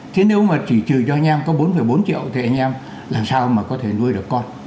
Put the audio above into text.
thế nếu mà chỉ trừ cho anh em có bốn bốn triệu thì anh em làm sao mà có thể nuôi được con